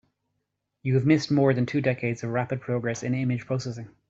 You have missed more than two decades of rapid progress in image processing.